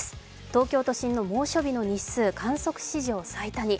東京都心の猛暑日の日数、観測史上最多に。